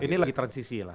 ini lagi transisilah